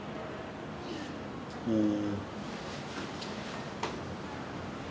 うん。